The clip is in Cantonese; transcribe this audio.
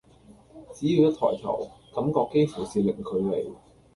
只要一抬頭，感覺幾乎是零距離